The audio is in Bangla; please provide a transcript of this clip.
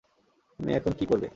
তুমি এখন কী করবে?